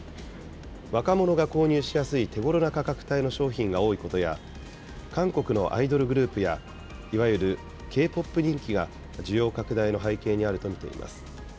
若者が購入しやすい手ごろな価格帯の商品が多いことや、韓国のアイドルグループや、いわゆるＫ−ＰＯＰ人気が需要拡大の背景にあると見ています。